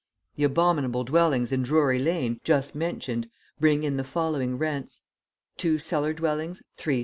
The abominable dwellings in Drury Lane, just mentioned, bring in the following rents: two cellar dwellings, 3s.